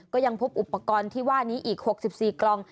ก็ยังพบอุปกรณ์ที่ว่านี้อีก๖๔กล่อง